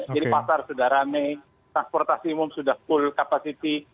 jadi pasar sudah rame transportasi umum sudah full kapasiti